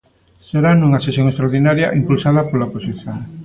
Será nunha sesión extraordinaria impulsada pola oposición.